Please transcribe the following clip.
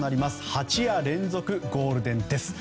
８夜連続ゴールデンです。